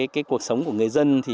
cái cuộc sống của người dân thì